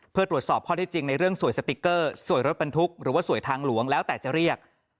เพื่อตรวจสอบข้อได้จริงในเรื่องสวยสติ๊กเกอร์สวยรถบรรทุกหรือว่าสวยทางหลวงแล้วแต่จะเรียก